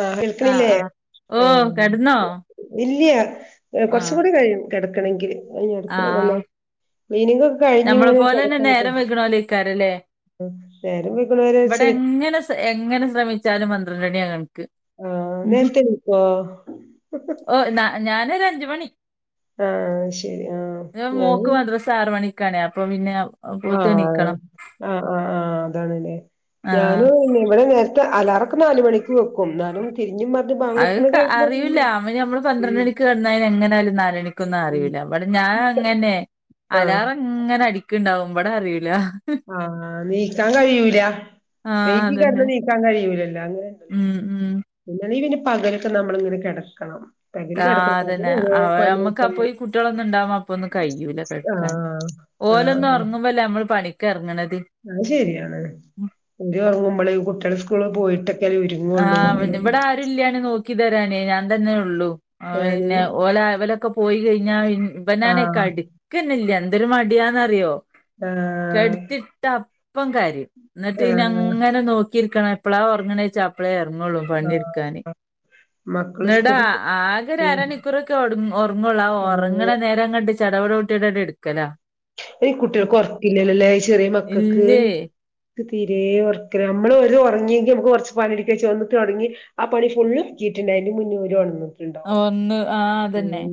ആഹ ആഹ് വിൾക്കണില്ലേ ആഹ് ഓ കെടന്നോ ഇല്യ കുറച്ച ആഹ് കൂടി കഴിയും കിടക്കണമെങ്കിൽ അടു നമ്മളെ പോലെന്നെ നേരം വികണോലിക്കാാരല്ലേ നേരം വെളുക്കുന്നവരെ ഇവിടെ ഇച്ചിരി എങ്ങനെ എങ്ങനെ ശ്രമിച്ചാലും മന്ത്രണി അങ്ങ ആഹ് നേരത്തെ എണീക്കോ ഓ ന ഞാനൊ അഞ്ച മണി ആഹ് ശരി ആഹ് ഞാൻ ഞാന് മോക്ക് മദ്രസ ആറ് മണിക്കാണേ അപ്പൊ പിന്നെ ആ അപ്പോത്തിന് എണീക്കണം ആ ആ ആ അതാണ്ല്ലെ ആഹ് ഞാനും അതന്നെ ഇവിടെ നേരത്തെ അലാറൊക്കെ നാല് മണിക്ക് വെക്കും ന്നാലും തിരി അത് ക്ക അറിയൂല്ല [unintelligible] നമ്മള് പന്ത്രണ്ട് ഉം മണിക്ക് കന്നന് എങ്ങനാലും നാല് മണിക്കൊന്നും ഉം അറിയൂല്ല ഇവിടെ ഞാൻ ആ അങ്ങനെ ആഹ് അലാറ അങ്ങനെ അടിക്കുണ്ടാവും ഇപടെ അറിയൂല ആ നീക്കാൻ കഴിയൂല ആഹ് വെയ്കി കെട്ന്നാ അതന്നെ നീക്കാൻ കഴിയൂലല്ലോ അങ്ങനെണ്ടല്ലോ ഉം ഉം പിന്നെ [unintelligible] പകലൊക്കെ നമ്മളിങ്ങനെ കിടക്കണം ആ അതന്നെ അവ നമ്മക്ക് അപ്പൊ ഈ കുട്ടികളൊന്നും ഇണ്ടാവുമ്പോ അപ്പൊന്നും കഴൂല കെട്ക്കാൻ ആഹ് ഓലൊന്ന് ആഹ് ഒർങ്ങുമ്പല്ലേ നമ്മള് പണിക്ക് എർങ്ങണത് അത് ശരിയാണ് ഉറങ്ങുമ്പോള് കുട്ടികുടെ സ്കൂള പോയിട്ട് ആ ഇബ്ടെ ആരുല്ലാണ് നോക്ക നോക്കി തരണേ ഞാൻ തന്നെ ഉള്ളൂ ഞാന് പിന്നെ ഓല അവലൊക്കെ പോയി കഴിഞ്ഞാൽ പിന്നെ ഇപ്പൊ ഞാന ആഹ് കടിക്കന്നില്ല എന്തൊരു മടിയാന്ന്റിയോ ആഹ് കെടുത്തിട്ട അപ്പം കരിം എന്നിട്ട് ഇനി ആഹ് അങ്ങനെ നോക്കിരിക്കണ അപ്പള ഉറങ്ങണേച്ചാ അപ്പളേ ഇറങ്ങുള്ളൂ ആഹ് പണിട്ക്കാന് മക്കള് നിടാ സ്കൂൾക്ക് ആകെ പോയി അരമണിക്കൂറൊക്കെ ഉറങ്ങുള്ള ഉറങ്ങണ ആഹ് നേരംങ്ങട്ടി ചടവട കൂട്ടിയിട്ടായിട്ട് എടുക്കല കുട്ടികൾ കൊറക്കില്ലല്ലല്ലേ ചെറിയ മക്കൾക്ക് ഇല്ലേ തീരേ ഓർക്കില്ല നമ്മള് ഓര് ഒർങ്ങിയെങ്കി നമക്ക് കൊർച്ച് പണിടിക്കച്ച ഒന്ന് തൊടങ്ങി ആ പണി ഫുള്ള് [unintelligible] അയ്ന്റെ മുന്നേ ഓര് ഒൺന്നു ഒന്ന് ആ അതന്നെ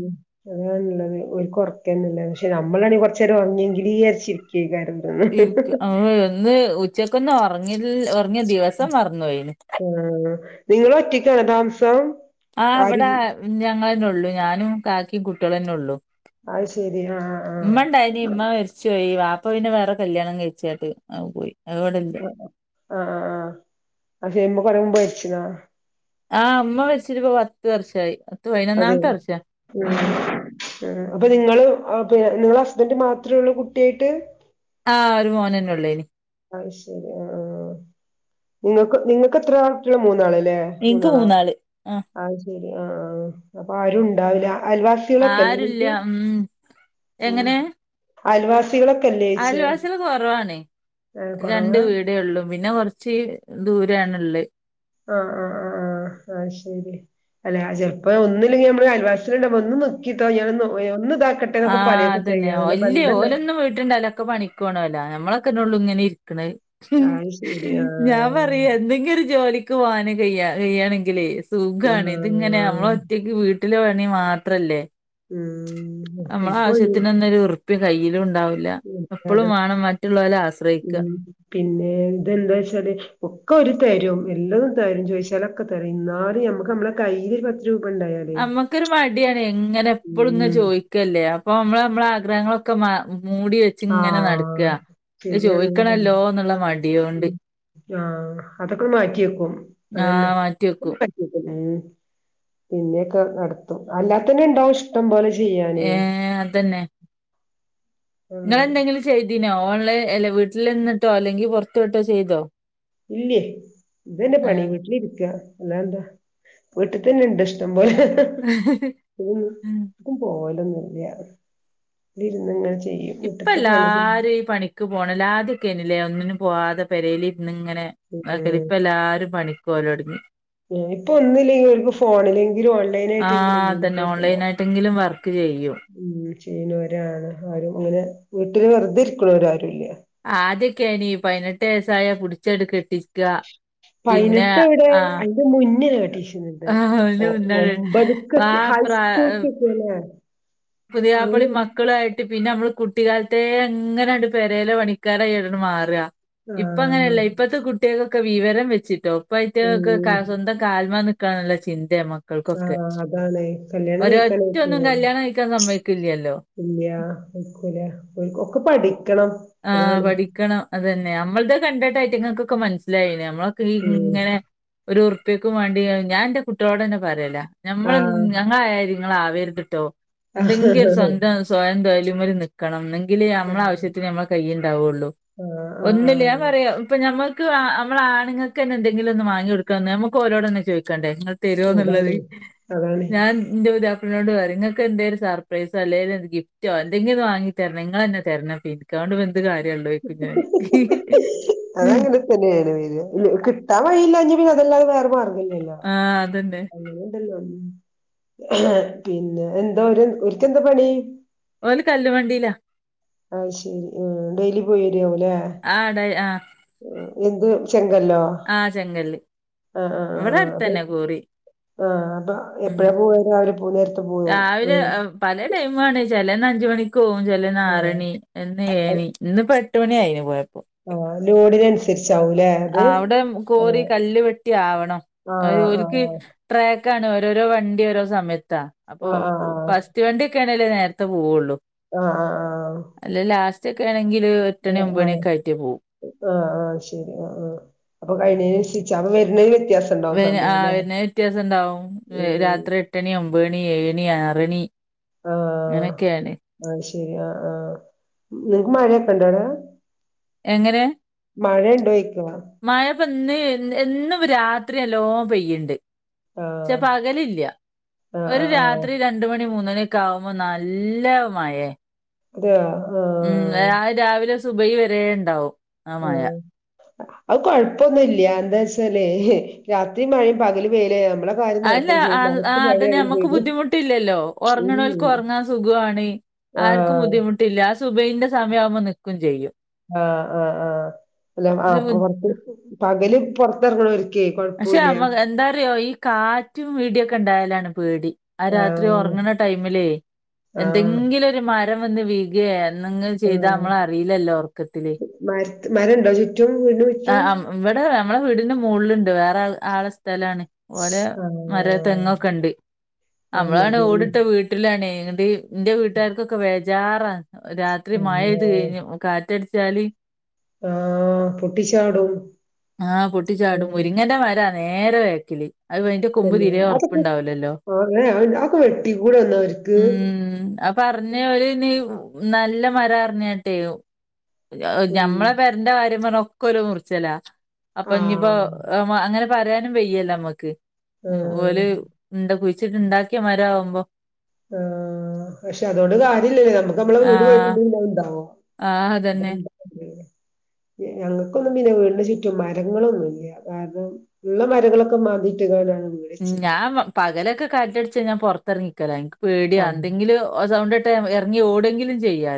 അതാണ്ള്ളത് ഒരു ഓർക്കന്നെല്ല പക്ഷെ നമ്മളാണെങ്കിൽ കൊറച്ചേരം ഒർങ്ങിയെങ്കിലീ ചിരിക്കാണ് ഇൻക്ക് അ ഒന്ന് ഉച്ചക്ക് ഒന്ന് ഒർങ്ങില്ല ഒർ ങ്ങിയ ദിവസം മറന്നു പോയിന് നിങ്ങളൊറ്റക്കാണോ താമസം ആ ഇവടെ ആരും ഞങ്ങളന്നെള്ളു ഞാനും കാക്കിം കുട്ടികളന്നെ ഒള്ളു അത് ശെരി ആഹ് ആഹ് ഉമ്മ ഉണ്ടായിനി ഉമ്മ മരിച്ചു പോയി വാപ്പ അപ്പൊ പിന്നെ വേറെ കല്യാണം കഴിച്ചായിട്ട് പോയി അത് ഇവിടില്ല ആ ആ ആ ആ അത് ചേരുമ്പോ [unintelligible] ആഹ് ഇമ്മ മരിച്ചിരുന്നു ആ പത്ത് വർഷമായി അതെെ പതിനൊന്നാമത്തെ വർഷാ ഉം ഉം ആ അപ്പൊ നിങ്ങൾ നിങ്ങള ഹസ് സ്ബന്റ് മാത്രേ ഒള്ളു കുട്ടിയായിട്ട് ആ ഒരു മോനന്നെന് ഉള്ളേ നി അയ്ശെരി ആ നിങ്ങക്ക് നിങ്ങൾക്ക് എത്ര ആൾ കുട്ടികള മൂന്നാള് അതെ എനിക്ക് മൂന്നാളൊ മൂന്നാള് ആ ശെരി ആ ആ അപ്പൊ ആരും ഉണ്ടാവുല അയൽവാസികളൊക്കെല്ലേ ആരുല്ല നിങ്ങക്ക് ഉം ഉം എങ്ങനെ അയൽവാ വാസികളൊക്കെല്ലേച്ചോയ്ചാ അയൽവാസികള് കുറവാണ് രണ്ട് വീടേ ഉള്ളൂ പിന്നെ കൊറച്ച് ദൂരേണ്ള്ളേ ആ ആ ആ ആ ആ അയ്ശെരി അല്ലെ ചിലപ്പോ ഒന്നില്ലെങ്കിൽ നമ്മളെ അയൽവാസുണ്ട ഒന്ന് നിക്കിട്ടോ ഞാൻ ഒന്ന് ഇതാക്കട്ടെ ആ എന്നൊക്കെ പറയൊക്കെ അതന്നെ ചെയ്യാ നല്ല ഒല്ലിയ ബന്ധള്ള ഓലൊന്നും വീറ്റണ്ടാവൂല ഓലൊക്കെ പണിക്കോണോലാ നമ്മളൊക്കെ ന്നെ ഒള്ളു ഇങ്ങനെരിക് ക്ക്ണത് അത് ശരി ഞാൻ ആഹ് പറയാ എന്തെങ്കിലും ഒരു ജോലിക്ക് ക്ക് പോവാനും കയ്യേ കയ്യാണെങ്കിലും സുഖാണ് ഇതിങ്ങനെ ആഹ് നമ്മളൊറ്റക്ക് വീട്ട് വീട്ടിലെ പണി മാത്രല്ലേ ഉം നമ്മളെ നമുക്കൊഴി ആവശ്യത്തിനൊന്നും ഒരുർപ്പിയ കയ്യിലുണ്ടാ ലാ അപ്പളും അതെ വാണം മറ്റുള്ളോല ഉം പിന്നെ ഇതെന്താ വെച്ചാല് ഒക്കെ ഓര് തരും എല്ലതും തരും ചോദിച്ചാലൊക്കെ തരും ന്നാലും നമ്മുക്ക് നമ്മെ കയ്യിലൊരു പത്ത് രൂപ ഇണ്ടായാലേ അമ്മക്കൊരു മടിയാണ് ങ്ങനെ എപ്പളും ങ്ങനെ ഉം ചോയിക്കല്ലേ അപ്പൊ മ്മളെ മ്മളെ ഗ്രഹങ്ങളൊക്കെ മാ മൂടി വെച്ച് ങ്ങനെ ആഹ് നടക്കാ ചോയിക്ണല്ലോന്നുള്ള മടിയൊണ്ട് ആ അതൊക്കെ മാറ്റിയക്കും അന്നെ ആഹ് മാറ്റി വെക്കും പെ [unintelligible] പിന്നെയൊക്കെ നടത്തും അല്ലാത്തന്നെ ഇണ്ടാവും ഇഷ്ടംപലെ ഇഷ് ഏ അതന്നെ ഉള്ളത് ങ്ങളന്നെ അയിൻ ചെയ്തീനോ ഓൺലൈൻ അല്ലെ വീട്ടിൽ നിന്നിട്ടോ അല്ലെങ്കിൽ പുറത് പോയിട്ടോ ചെയ്തീനോ ഇല്ലേ ഇത്ന്നെ പണി വീട്ടിലി ഇരിക്കുക അല്ലാ എന്താ വീട്ടിൽ തന്നെ ഇണ്ട് ഇഷ്ടം ബ്ഹ് [unintelligible] ഇവിടെ ഇരുന്നു ഇപ്പല്ലാരും ഈ പണിക്ക് പോണല്ലേ ആദ്യക്കെനില്ലേ ഒന്നിനും പോവാാതെ പെര്യൽ ണ്ണിങ്ങനെ നാക്കൽ ഉം ഇപ്പല്ലാരും പണിക്കോവലൊടങ്ങി ഇപ്പൊ ഒന്നില്ലെങ്കിൽ ഓർക്ക് ഫോണിലെങ്കിലും ആ ഓൺലൈനായിട്ടെങ്കിലും എന്തേങ്കിലായി അതന്നെ എന്തേങ്കിലായിട്ട് ഓൺലൈൻ ട്ണ്ടാവും ആയിട്ടെങ്കിലും വർക്ക് ചെയ്യും ഉ ചെയ്യുനോരാണ് ആരുംങ്ങനെ വീട്ടില് വെറുതെ ഇരിക്ണോരും ല്യ ആദ്യൊക്കെയനീ പതിനെട്ട് വയസ്സായ പുടിച്ചടങ്ങ് കെട്ടിച്ച പയ്നട്ട് വിടെ അതിന്റെ മുന്നിൽ കെട്ട്ച്ച് ആ അയ്ന്റെ മുന്നെ ആ പ്രായ ഹൈസ്കൂൾക്കൊക്കെ അല്ലേ അങ്ങനെ പുതിയാപളിമ് മക്കളായിട്ട് പിന്നെ മ്മള് കുട്ടിക്കാലത്തെ ങ്ങനെണ്ട് പെരയിലെ പണിക്കാരായിട്ടെങ്ങ് മാറ്റ്‌ഹാ ഇപ്പ ആഹ് അങ്ങനെയല്ല ഇപ്പത്തെ കുട്ടികൾക്കൊക്കെ വിവരം വെച്ട്ടോ ഇപ്പയിറ്റങ്ങൾക്ക് ഉം സ്വന്തം കാൽമ നിക്കനുള്ള ചിന്ത ഇന്റെ മക്കൾക്കൊക്കെ ആഹ് അതാണ് ഓരോ റ്റൊന്നും കല്യാണം കഴി ഇല്ലിയാ കഴിക്കൂല ഒൽക്കൊക്കെ പഠിക്കണം ആ അതാണ് പഠിക്കണം അതന്നെ നമ്മൾത് കണ്ടിട്ടായിറ്റങ്ങൾക്കൊക്കെ മനസ്സിലായിനേ നമ്മളക്ക് ഈ ഉം ഇങ്ങനെ ഒരു ഉർപ്പെക്കും വാണ്ടി ഞാന്റെ കുട്ടിളോടെന്നെ പറയലാ ഞമ്മൾ ആഹ് ങ്ങനെ ആയാതി ഇങ്ങൾ ആവര്ത് ട്ടോ ആഹ് ന്തെങ്കിലും ഒരു സ്വന്തം സ്വയം തോയ്ല് മ്മൽ നിക്കണം ന്നെങ്കിലാ നമ്മളാവിശ്യത്തിൻ മ്മളെ കയ്യിൽ ണ്ടാവൊള്ളു ആഹ് ഒന്നുല്ലാ ആഹ് ഞാപ്പറയും നമമൾക്ക് മ്മൾ ആണുങ്ങൾ കെന്നെ എന്തങ്കിലും ഒന്ന് മാങ്ങി കൊടുക്കാൻ നമ്മക്ക് ഓലോടമോയ്ച്ചണ്ടെ ചോദിക്കണ്ടേ തരോന്ന്ള്ളത് അതാണ് അതാണ് ഞാൻന്റെ പുതിയാപ്പ് നോട് പറയുംങ്ങൾക്ക് എന്തേലും സർപ്രൈസോ അല്ലെങ്കി ഗിഫ്റ്റോ എന്തെങ്കിലും വാങ്ങി തരണങ്കി ങ്ങ ബന്നെ തരണം പിന്നെ ഉം. അതങ്ങനെ തന്നെയാണ് കിട്ടാൻ വഴില്ലാഞ്ഞി പിന്നെ അതെല്ലാതെ വേറെ മാർകം ഇ ല്ലല്ലോ ആ അതന്നെ. അല്ലണ്ടല്ല പിന്നെ എന്താ ഒരു ഒരിക്ക് എന്താ പണി ഓല് കല്ല് വണ്ടില്ലാ അയ് ശെരി ഡെയ്ലി പോയി വരാവൂല്ലേ ആട ആ എന്ത് ചെങ്കല്ലോ ആ ചെങ്കല്ല്. ആ ആആ ഇവിടെ അടുത്തന്നെ കോറി. ആ അപ്പൊ ഉം. എപ്പഴാ പോവാ രാവിലെ പോ നേരത്തെ പോവോ രാവിലെ ആഹ് പല ടൈം ആണ്ച്ചാല് ചെലെന്ന് അഞ്ച് മണിക്ക് പോവും ചേലേന്ന് ആറു ആഹ് മണി എന്ന് ഏഴു അത് മണി ഇന്ന്പ്പോ എട്ട് മണി ആയിന് പോയ ആഹ് ലോഡിനനുസരിച്ചാവൂലേ അത് അവിടെ കോറി കല്ല് വെട്ടി ആവണംഓ ആഹ് ആഹ് ആഹ് ൽക്ക് ട്രക്ക് ക്കാണ് ഓരോരോ വണ്ടി ഓരോ സമയത്താ അപ്പൊ ആഹ് ഫസ്റ്റ് വണ്ടിയൊക്കെ ആണേലേ നേരത്തെ പോവുള്ളൂ ആ ആ ആ അല്ലെ ലാസ്റ്റ് ഒക്കെ ആണെങ്കിൽ ആ എട്ടണി ആ ഒമ്പണിയൊക്കെ ആയിട്ടേ പോവും ആ ആ ശരി ആ ആ അപ്പൊ കയ്യിനേന് അനുസരിച്ച അപ്പോ വരുനയ്ന് ആ വരുനായ്ന് വ്യത്യാസം ഉണ്ടാവും ഉം രാത്രി എട്ടണിയാവും ഒമ്പത് മണി ഏഴ്മണി ആറ് മണി ആഹ് അങ്ങനൊക്കെയ ആണ് അത് ശരി ആ ആ നിങ്ങക്ക് മഴയൊക്കെ ഇണ്ടോടാ എങ്ങനെ മായപ്പന്ന് എന്നും രാത്രി നല്ലോ പെയ്യുണ്ട് പക്ഷേ ആഹ് പകലില്ല ആഹ് ഒരു ആഹ് ആഹ് രാത്രി രണ്ട് മണി മൂന്ന് മണി ആവുമ്പോ നല്ല മയെ അതെ ഉം രാവിലെ സുബൈഹി വരെ ഉണ്ടാവും ആ മായ ആഹ് അത് കൊഴപ്പൊന്നുംല്ല എന്താ വച്ചാലേ രാത്രി മഴയും പകല് വേയ്ല് ആ യാൽ അല്ല അതിന് നമ്മക്ക് ചെയ്തു ബുദ്ധിമുട്ടില്ലല്ലോ ഉം ഉറങ്ങണൽക്ക് ഉറങ്ങാൻ സുഖമാണ് ആർക്കും ആഹ് ബുദ്ധിമുട്ടില്ല ആ സുബൈഹി ന്റെ സമയം ആവുമ്പോ നിക്കും ചെയ്യും ആഹ് ആഹ് ആഹ് അല്ല ഇത് ആഹ് ബു പുറത്ത് പകല് പുറത്തിറങ്ങണല്ക്ക് പക്ഷെ നമ്മ എന്താറിയോ ഈ കാറ്റും ഇടീയൊക്കെ ഉണ്ടായാലാണ് പേടി ആ രാത്രി ആഹ് ഉറങ്ങണ ടൈമിലേ ആഹ് എന്തെങ്കിലും ഒരു മരം വന്ന് വീഴ്കയാ എന്തെങ്കിലും ചെയ്താ ആഹ് നമ്മള് അറിയില്ലല്ലോ ഒർക്കത്തില് മരണ്ടോജി ആ ഇവിടെ നമ്മളെ വീടിന്റെ മുകള്ലുണ്ട് വേറെ ആളെ സ്ഥലമാണ് ഓരോ മരം ആഹ് തെങ്ങൊക്കെ ഉണ്ട് ആഹ് നമ്മളാണ് മതിയല്ലേ ഓടിട്ട് വീട്ടിലാണ് ഇ എന്റെ വീട്ടുകാർക്കൊക്കെ ബേജാറ രാത്രി മഴ യ്ത് ആഹ് കഴിഞ്ഞു കാറ്റടി ച്ചാല് ആഹ് പൊട്ടിച്ചാടും ആ പൊട്ടിച്ചാടും ആഹ് മുരിങ്ങൻന്റെ മരാ നേര വേക്കില് അത് അയിന്റെ കൊമ്പ് തന്നെ തിരെ അതൊക്കെ ഉറപ്പുണ്ടാവലല്ലോ അങ്ങനെ അതൊക്കെ വെട്ടിക്കൂടെ എന്നാ അവർക്ക് ഉം ആ പറഞ്ഞ ഒരു നീ നല്ല മരം പറിഞ്ഞട്ടേ ഉം ഞമ്മളെ പെരന്റെ കാര്യ പ ഒക്കെ ഓല് മുറിച്ചലാ അപ്പൊ ഇഞ് ഇപ്പ ആഹ് അങ്ങനെ പറയാനും വെയ്യല്ല നമ്മുക്ക് ഉം ആഹ് ഓല് എന്ത കുഴിച്ചിട്ട് ഇണ്ടാക്കിയാ മരം ആവുമ്പോ ആ പക്ഷെ അതുകൊണ്ട് കാര്യ ഇല്ലല്ലേ നമുക്ക് നമ്മളെ വീട് പോയിട്ടല്ല ഉണ്ടാവോ ആ അതന്നെ ഉം ഞങ്ങൾക്കൊന്നും പിന്നെ വീട്ന് ചുറ്റും മരങ്ങളൊന്നും ഇല്ല കാരണം ഉള്ള മരങ്ങളൊക്കെ മാതിട്ട് കാണ്ടാണ് ഞാൻ പകലൊക്കെ കാറ്റടിച്ചാൽ ഞാൻ പുറത്തിറങ്ങിക്കല എനിക്ക് പേടിയ ആഹ് എന്തെങ്കിലും സൗണ്ട് ഇറങ്ങി ഓടെങ്കിലും ചെയ്യാ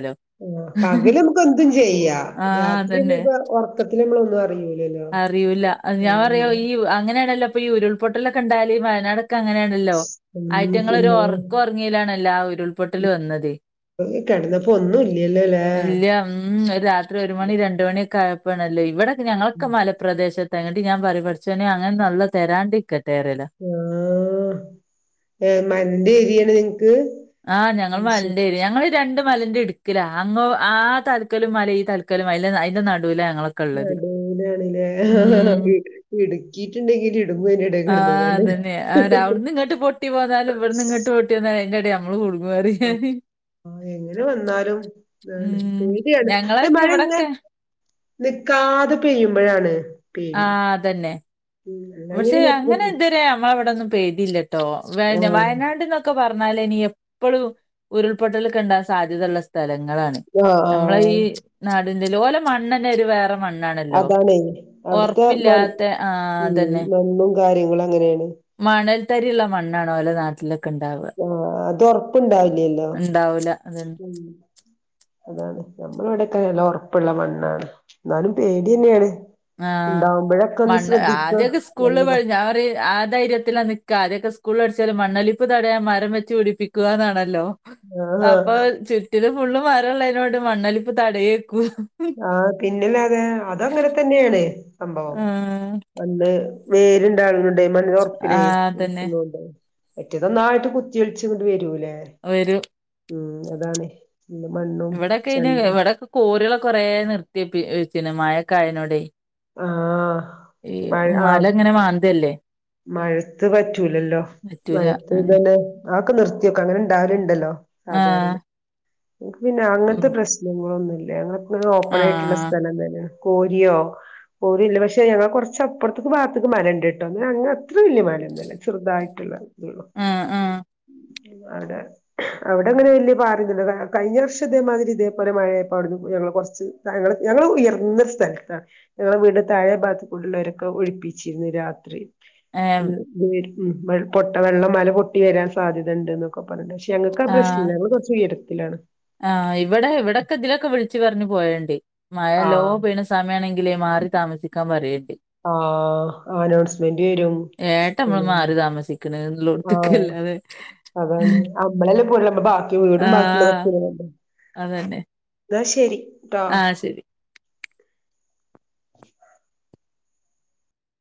ആ പകല് നമുക്ക് എന്തും ചെയ്യാ ആഹ് രാത്രി നമൂക്ക് ഉറർക്കത്തി നമ്മള ഒന്നും അറി ല അറിയൂല്ല ഞാൻ പറിയാ ഈ അങ്ങനേയാണല്ലോ ഇപ്പൊ ഈ ഉരുൾപൊട്ടലൊക്കെണ്ടാകല് വയനാട് ക്കെ അങ്ങനെണല്ലോ ഉം അയിറ്റങ്ങളൊരു പിന്നെ ഉറക്കം ഉറങ്ങിലാണല്ലോ ആഹ് ഉരുൾപൊട്ടല് വന്നത് കിടന്നപ്പോ ഒന്നും ഇല്യല്ലോലേ ഇല്ല ഉം ഒരു രാത്രി ഒരു മണി രണ്ട് മണിയൊക്കെ ആയപ്പോണല്ലോ ഇവിടൊക്കെ ഞങ്ങളൊക്കെ മലപ്രദേശ ത്ത് ബങ്ങട്ട് ഞാൻ പറീം പഠിചോനെ അങ്ങനെ ഒന്നും അല്ലാഹ് തരാണ്ടിരിക്ക ആഹ് ഏ മലന്റെ ഏരിയാണ് ആഹ് ഞങ്ങൾ അത് ശരി മലൻ്റെ ഏരിയ ഞങ്ങള് രണ്ട് മലന്റെ ഇടുക്ക്ല അങ്ങോ ആ തല്ക്കലും മല ഈ തല്ക്കലും മല അയിന്റെ നടുവിലാ ഞങ്ങളൊക്കെ ഇള്ളത് നടൂവിലാണ്ലേ ഉം ഇടു ഇടുക്കിട്ടുണ്ടെങ്കി ഇടുങ്ങും അയിന്റെ എടയിൽ കിടന്ന് ആ അതന്നെ ആതെ അവിടെന്ന്ങ്ങാട്ട് പൊട്ടി പോന്നാലും ഇവിടുന്ന് ഇങ്ങട്ട് പൊട്ടിവന്നാആയിൻ്റടേല് നമ്മള് കുടു ആം ആഹ് എങ്ങനെ വന്നാലും ആണ് ഉം പേടിയാണ് ആ ഞങ്ങളൊക്കെ മഴഇങ്ങനെ ഇവിടൊക്കെ ന്നിക്കാതെ പെയ്യുമ്പഴാണ് പേടി ആഹ് അതന്നെ ഉം അല്ലാഞ്ഞ പക്ഷെ പിന്നെ അത്ര അങ്ങനെ ഇതുവരെ നമ്മള അവിടൊന്നും പെയ്തില്ലട്ടോ വേയ്ന ആഹ് വയനാട്ന്നൊക്കെ പറ പറഞ്ഞാൽ ഇനി എപ്പളും ഉരുൾപൊട്ടലൊക്കെഉണ്ടാകാ സാധ്യത ഉള്ള സ്ഥല ങ്ങളാണ് ആഹ് നമ്മളെ ആഹ് ഈ നാടിന്റെ ഓലെ മണ്ണന്നെ ഒരു വേറെ മ ണ്ണാണെല്ലോ അതാണേ അവിടുത്തെ മൺ ഒറപ്പില്ലാത്തെ ആഹ് ഉം മണ്ണും കാര്യങ്ങളും അങ്ങനെയാണ് മണൽത്തരിഉള്ളാ മണ്ണാണ് ഓലെ നാട്ടില് ആഹ് അത് ഒറപ്പുണ്ടാവില്ലല്ലോ ഇണ്ടാവൂല അതന്നെ ഉം അതാണ് നമ്മൾ ഇവിടെ ഒക്കെ നല്ല ഉറപ്പുള്ള മണ്ണാണ് എന്നാലും പേടി തന്നെആണ് ആഹ് മണ്ണ് ആദ്യക്കെ സ്കൂള് നല്ലതാ പോയി ഞാപറേം ആധൈര്യത്തില നിക്കാ ആദ്യൊക്കെ സ് കൂളി പടിച്ചല് മണ്ണൊലിപ്പ് തടയാൻ മരം വെച്ച് പിടിപ്പിക്കുകന്നാണല്ലോ ആഹ് അപ്പൊ ചുറ്റില് ഫുള്ള് മരഉള്ളഴിനോട് മണ്ണലിപ്പ് തടയേം ആഹ് പിന്നില്ലാതെ അത് അങ്ങനെ തന്നെയാണ് സംഭവം ആഹ് വന്ന് വേരുണ്ടാവുന്നൊണ്ട് മണ്ണ്ലൊറപ്പിലേ ആഹ് അതന്നെ നിക്കുന്നുണ്ട് മറ്റേതൊന്നായിട്ട് കുത്തിയൊലിച്ച് ഇങ്ങോട്ട് വരുലേ ആ വേരും ഉം അതാണെ ഇവിടെക്കെയിന് ഇവിടെക്കെ കോരുകള് കൊറേ നിർത്തിയപ്പി വെച്ചിന് മയക്കായനോടെ ആഹ് ഈ മഴ ആഹ് മലങ്ങനെ മാന്ത്ല്ലേ മഴത്ത് പറ്റൂലല്ലോ പറ്റൂല മഴത്ത് അങ്ങനെ ഇതുതന്നെ ആക്കെ നിർത്തിയോക്കെ അങ്ങനെ ഇണ്ടാവാലുണ്ടല്ലോ ആ സാധാരണ ങ്ങക്ക് പിന്നെ ഉം അങ്ങനത്തെ പ്രശ്നങ്ങളൊന്നുംല്ല അങ്ങളിപ്പഴും ആ ഓപ്പൺ ആയിട്ടുള്ള സ്ഥലം തന്നാ കോഴിയോ കോഴില്ല പക്ഷെ ഞങ്ങ കൊറച്ചപ്പുറത്ത്ക്ക് ഭാഗ്ത്ത്ക്ക് മരണ്ട്ട്ടോ ന്നാ അങ്ങനെ അത്ര വല്യ മരൊന്നുല്ലാ ചെറുതായിട്ടുള്ള ഇതേള്ളൂ ആഹ് ആഹ് അവിടെ അവിടെ അങ്ങനെ വലിയ പാടില്ലല്ലോ കഴിഞ്ഞ വർഷം ഇതേമാതിരി ഇതേപോലെ മഴയായപ്പ അവിടുന്ന് ഞങ്ങ കൊറച്ച് ഞങ്ങള് ഉയർന്ന സ്ഥലത്താണ് ഞങ്ങള വീട് താഴെ ഭാഗത്ത്ടുള്ളവരൊക്കെ ഒഴിപ്പി ച്ചിരുന്നു രാത്രി ഏം [unintelligible] പൊട്ട വെള്ളം മല പൊട്ടി വരാൻ സാധ്യതണ്ട്ന്നൊക്കെ റഞ്ഞ് ഞങ്ങൾക്ക് ആ പ്രശ്നില്ല ഞങ്ങള് കുറച്ച് ഉയരത്തിലാണ് ആഹ് ഇവിടെ ഇവിടെക്കെ ഇതിലൊക്കെ വിളിച്ചു പറഞ്ഞ് പോവല്ണ്ട് മഴല്ലോ ആഹ് പെയ്യിണ സമയ ആണെ ങ്കിലേ മാറി താമസിക്കാൻ പറയണ്ടേ ആഹ് അനൗൺസ്മെന്റ് വരും ഉം [unintelligible] അല്ലാതെ അതാണ് അമ്മളെല്ല പോയിള്ളു അമ്മളെ ബാക്കി ആ വീടും ബാക്കിള്ളതൊക്കെ [unintelligible] അതന്നെ ന്നാ ശെരി ആഹ് ശെരി